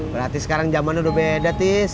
berarti sekarang zaman lu udah beda tis